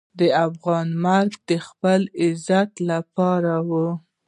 د افغان مرګ د خپل عزت لپاره وي.